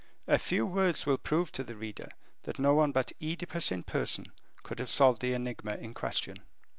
A few words will prove to the reader that no one but Oedipus in person could have solved the enigma in question.